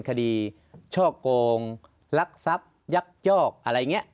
คดีช่อกโกงรักทรัพย์ยักษ์ยอกอะไรนี้